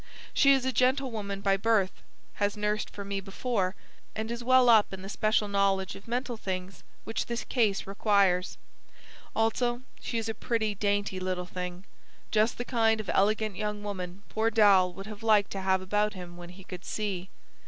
She is a gentlewoman by birth, has nursed for me before, and is well up in the special knowledge of mental things which this case requires. Also she is a pretty, dainty little thing; just the kind of elegant young woman poor Dal would have liked to have about him when he could see.